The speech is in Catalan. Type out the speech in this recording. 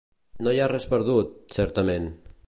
No hi ha res perdut, certament.